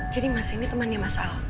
jadi mas ini temannya mas al